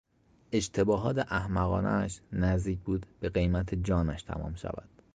اشتباهات احمقانهاش نزدیک بود به قیمت جانش تمام شود.